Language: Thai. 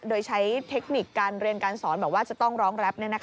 โดยใช้เทคนิคการเรียนการสอนบอกว่าจะต้องร้องแรป